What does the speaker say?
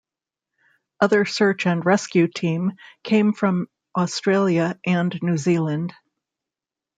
Other search and rescue team came from Australia and New Zealand.